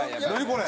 これ。